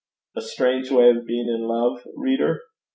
A strange way of being in love, reader?